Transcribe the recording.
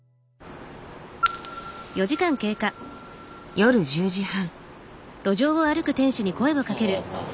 夜１０時半。